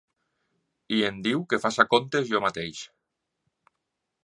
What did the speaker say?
I em diu que faci comptes jo mateix.